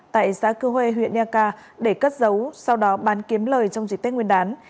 tại xã cư huê huyện niaca để cất giấu sau đó bán kiếm lời trong dịch tết nguyên đán